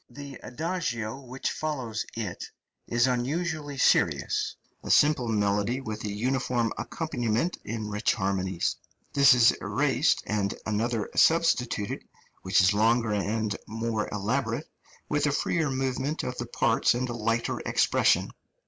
The adagio {QUARTETS, 1772.} (311) which follows it is unusually serious a simple melody with a uniform accompaniment in rich harmonies. This is erased and another substituted, which is longer and more elaborate, with a freer movement of the parts and a lighter expression.